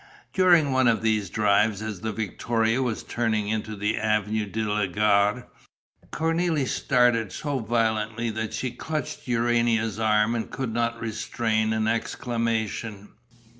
During one of these drives, as the victoria was turning into the Avenue de la Gare, Cornélie started so violently that she clutched Urania's arm and could not restrain an exclamation.